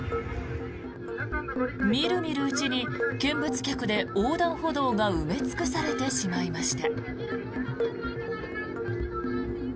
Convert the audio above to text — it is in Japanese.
みるみるうちに見物客で横断歩道が埋め尽くされてしまいました。